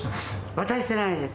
渡してないです。